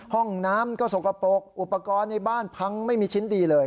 ห้องน้ำก็สกปรกอุปกรณ์ในบ้านพังไม่มีชิ้นดีเลย